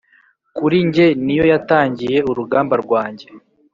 kuri njye, niyo yatangije urugamba rwanjye